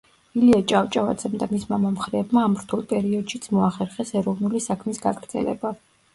ილია ჭავჭავაძემ და მისმა მომხრეებმა ამ რთულ პერიოდშიც მოახერხეს ეროვნული საქმის გაგრძელება.